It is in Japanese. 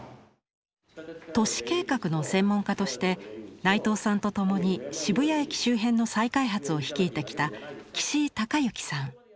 都市計画の専門家として内藤さんと共に渋谷駅周辺の再開発を率いてきた岸井隆幸さん。